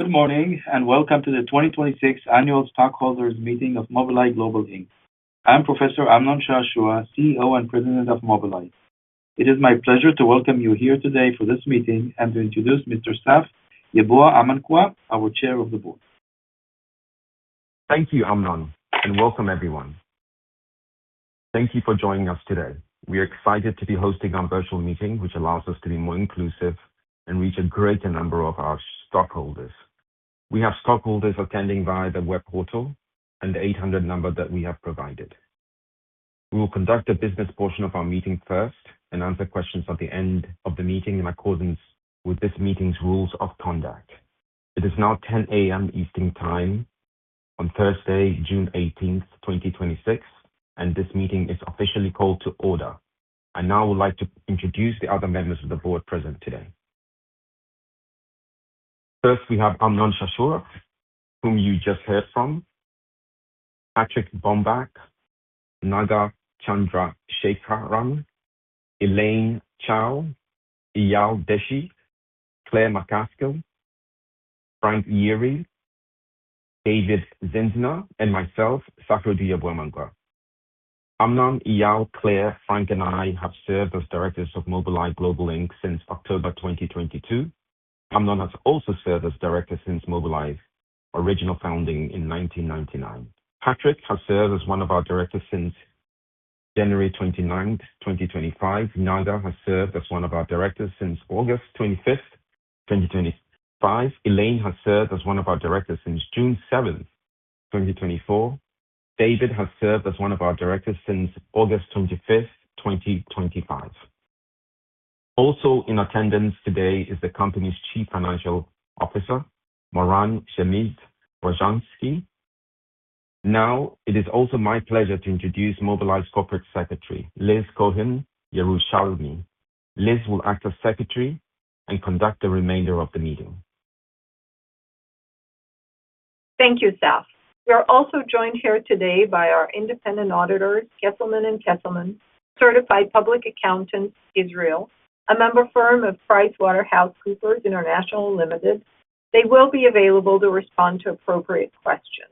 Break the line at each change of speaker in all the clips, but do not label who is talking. Good morning, welcome to the 2026 Annual Stockholders' Meeting of Mobileye Global Inc. I'm Professor Amnon Shashua, CEO and President of Mobileye. It is my pleasure to welcome you here today for this meeting and to introduce Mr. Safi Yeboah-Amankwah, our Chair of the Board.
Thank you, Amnon, welcome everyone. Thank you for joining us today. We are excited to be hosting our virtual meeting, which allows us to be more inclusive and reach a greater number of our stockholders. We have stockholders attending via the web portal and the 800 number that we have provided. We will conduct the business portion of our meeting first and answer questions at the end of the meeting in accordance with this meeting's rules of conduct. It is now 10:00 A.M. Eastern Time on Thursday, June 18th, 2026, this meeting is officially called to order. I now would like to introduce the other members of the board present today. First, we have Amnon Shashua, whom you just heard from, Patrick Bombach, Nagasubramaniyan Chandrasekaran, Elaine Chao, Eyal Desheh, Claire McCaskill, Frank Yeary, David Zinsner, and myself, Safi Yeboah-Amankwah. Amnon, Eyal, Claire, Frank, I have served as directors of Mobileye Global Inc. since October 2022. Amnon has also served as director since Mobileye's original founding in 1999. Patrick has served as one of our directors since January 29th, 2025. Naga has served as one of our directors since August 25th, 2025. Elaine has served as one of our directors since June 7th, 2024. David has served as one of our directors since August 25th, 2025. Also in attendance today is the company's Chief Financial Officer, Moran Shemesh Rojansky. It is also my pleasure to introduce Mobileye's Corporate Secretary, Liz Cohen-Yerushalmi. Liz will act as secretary and conduct the remainder of the meeting.
Thank you, Safi. We are also joined here today by our independent auditors, Kesselman & Kesselman, Certified Public Accountants, Israel, a member firm of PricewaterhouseCoopers International Limited. They will be available to respond to appropriate questions.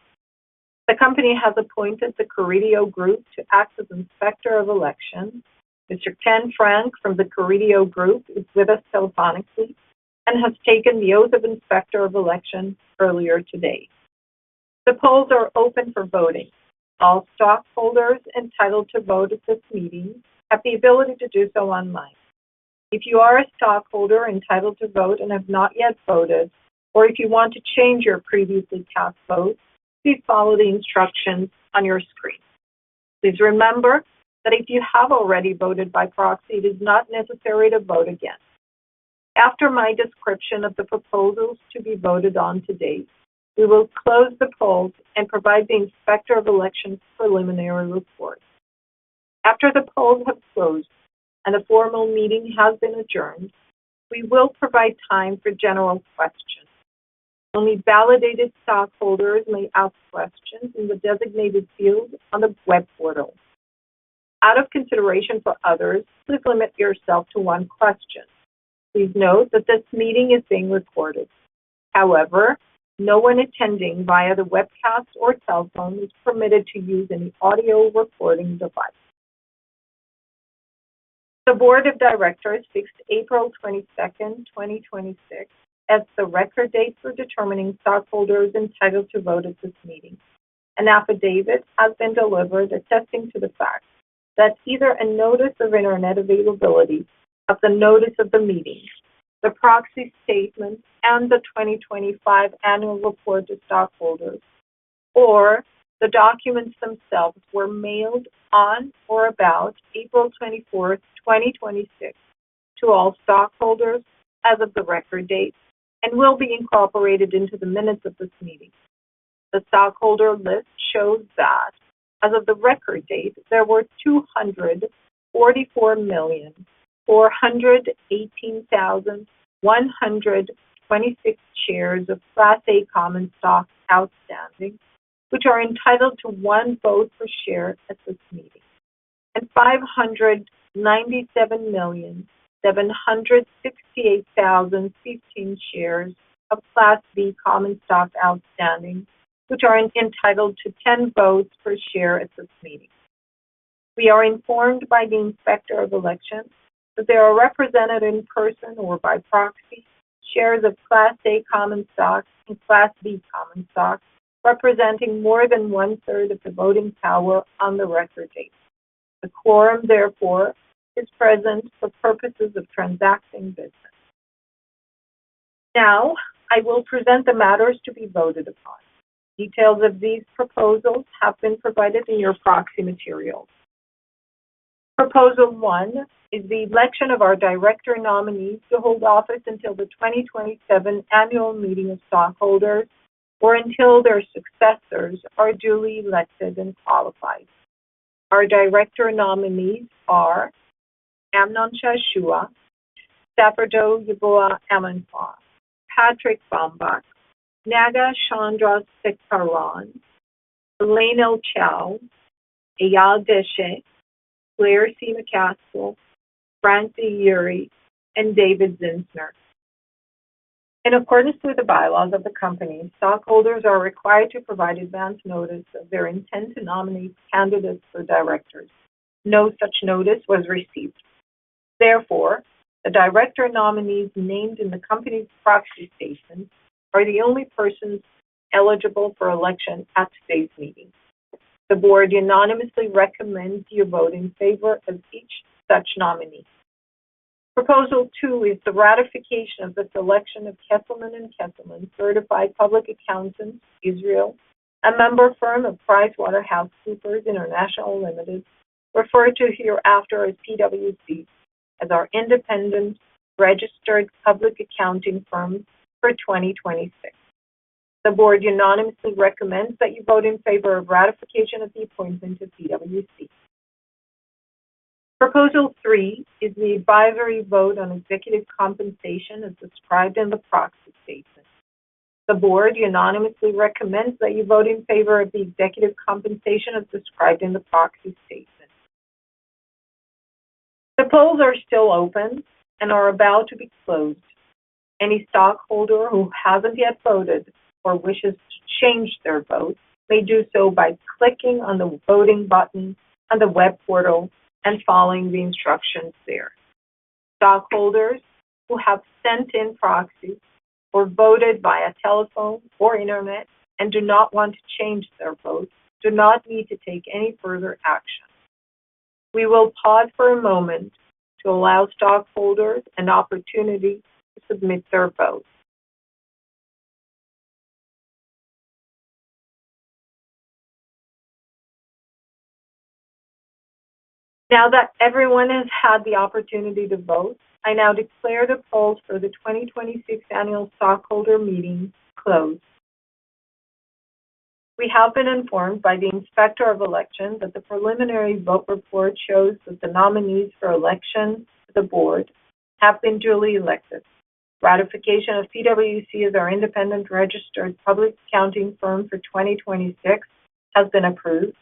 The company has appointed The Carideo Group to act as Inspector of Election. Mr. Ken Frank from The Carideo Group is with us telephonically and has taken the oath of Inspector of Election earlier today. The polls are open for voting. All stockholders entitled to vote at this meeting have the ability to do so online. If you are a stockholder entitled to vote and have not yet voted, or if you want to change your previously cast vote, please follow the instructions on your screen. Please remember that if you have already voted by proxy, it is not necessary to vote again. After my description of the proposals to be voted on today, we will close the polls and provide the Inspector of Election's preliminary report. After the polls have closed and the formal meeting has been adjourned, we will provide time for general questions. Only validated stockholders may ask questions in the designated field on the web portal. Out of consideration for others, please limit yourself to one question. Please note that this meeting is being recorded. However, no one attending via the webcast or telephone is permitted to use any audio recording device. The Board of Directors fixed April 22nd, 2026, as the record date for determining stockholders entitled to vote at this meeting. An affidavit has been delivered attesting to the fact that either a notice of Internet availability of the notice of the meeting, the proxy statement, and the 2025 Annual Report to stockholders, or the documents themselves were mailed on or about April 24th, 2026, to all stockholders as of the record date and will be incorporated into the minutes of this meeting. The stockholder list shows that as of the record date, there were 244,418,126 shares of Class A common stock outstanding, which are entitled to one vote per share at this meeting, and 597,768,015 shares of Class V common stock outstanding, which are entitled to 10 votes per share at this meeting. We are informed by the Inspector of Elections that they are represented in person or by proxy shares of Class A common stock and Class V common stock, representing more than one-third of the voting power on the record date. The quorum, therefore, is present for purposes of transacting business. Now, I will present the matters to be voted upon. Details of these proposals have been provided in your proxy materials. Proposal one is the election of our director nominees to hold office until the 2027 annual meeting of stockholders or until their successors are duly elected and qualified. Our director nominees are Amnon Shashua, Safi Yeboah-Amankwah, Patrick Bombach, Nagasubramaniyan Chandrasekaran, Elaine L. Chao, Eyal Desheh, Claire C. McCaskill, Frank D. Yeary, and David Zinsner. In accordance with the bylaws of the company, stockholders are required to provide advance notice of their intent to nominate candidates for directors. No such notice was received. Therefore, the director nominees named in the company's proxy statement are the only persons eligible for election at today's meeting. The board unanimously recommends you vote in favor of each such nominee. Proposal two is the ratification of the selection of Kesselman & Kesselman Certified Public Accountants, Israel, a member firm of PricewaterhouseCoopers International Limited, referred to hereafter as PwC, as our independent registered public accounting firm for 2026. The board unanimously recommends that you vote in favor of ratification of the appointment of PwC. Proposal three is the advisory vote on executive compensation as described in the proxy statement. The board unanimously recommends that you vote in favor of the executive compensation as described in the proxy statement. The polls are still open and are about to be closed. Any stockholder who hasn't yet voted or wishes to change their vote may do so by clicking on the voting button on the web portal and following the instructions there. Stockholders who have sent in proxies or voted via telephone or internet and do not want to change their votes do not need to take any further action. We will pause for a moment to allow stockholders an opportunity to submit their votes. Now that everyone has had the opportunity to vote, I now declare the polls for the 2026 Annual General Meeting of Stockholders closed. We have been informed by the Inspector of Election that the preliminary vote report shows that the nominees for election to the board have been duly elected. Ratification of PwC as our independent registered public accounting firm for 2026 has been approved,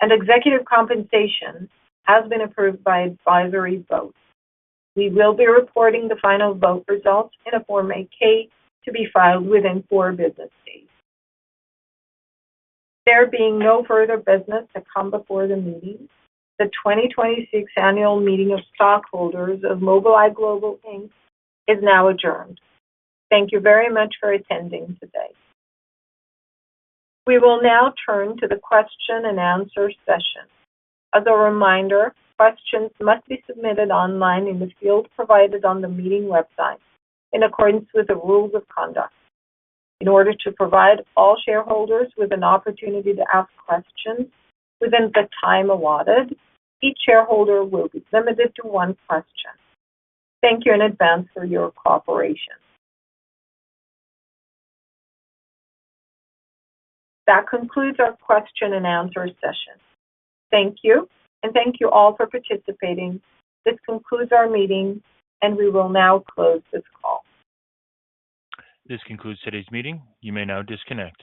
and executive compensation has been approved by advisory vote. We will be reporting the final vote results in a Form 8-K to be filed within four business days. There being no further business to come before the meeting, the 2026 Annual General Meeting of Stockholders of Mobileye Global Inc. is now adjourned. Thank you very much for attending today. We will now turn to the question and answer session. As a reminder, questions must be submitted online in the field provided on the meeting website in accordance with the rules of conduct. In order to provide all shareholders with an opportunity to ask questions within the time allotted, each shareholder will be limited to one question. Thank you in advance for your cooperation. That concludes our question and answer session. Thank you, and thank you all for participating. This concludes our meeting, and we will now close this call. This concludes today's meeting. You may now disconnect